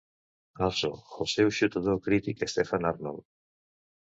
Also, el seu xutador crític Stephen Arnold.